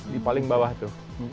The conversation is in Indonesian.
di paling bawah itu